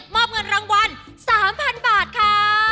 อบเงินรางวัล๓๐๐๐บาทค่ะ